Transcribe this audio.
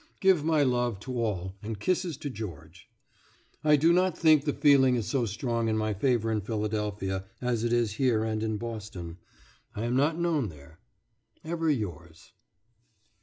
Give my love to all and kisses to George. ... I do not think the feeling is so strong in my favour in Philadelphia as it is here and in Boston. I am not known there. Ever yours.